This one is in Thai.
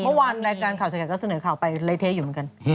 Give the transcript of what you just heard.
เมื่อวานรายการข่าวใส่กันก็เสนอข่าวไปเละเทะอยู่เหมือนกัน